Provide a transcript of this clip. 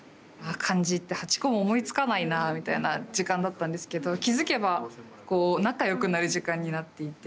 漢字って８個も思いつかないなみたいな時間だったんですけど気付けばこう仲良くなる時間になっていて。